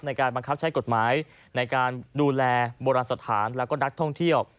ในการบังคับใช้กฎหมายในการดูแลโบราณสถานแล้วก็นักท่องเที่ยว